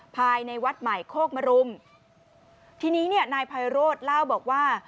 ภายในวัดใหม่โคกมรุมทีนี้เนี่ยนายไพโรธเล่าบอกว่า